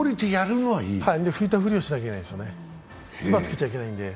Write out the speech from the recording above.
拭いたふりをしなきゃいけないんです。